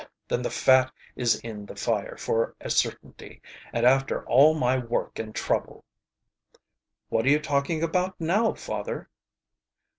"Then the fat is in the fire for a certainty. And after all my work and trouble!" "What are you talking about now, father?"